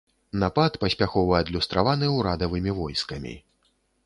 Напад паспяхова адлюстраваны ўрадавымі войскамі.